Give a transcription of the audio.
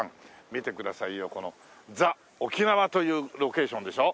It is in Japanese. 見てくださいよこのザ・沖縄というロケーションでしょ。